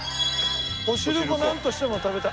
お汁粉なんとしても食べたい。